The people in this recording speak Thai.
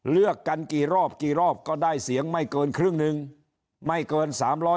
เลือกกันกี่รอบกี่รอบก็ได้เสียงไม่เกินครึ่งหนึ่งไม่เกิน๓๐๐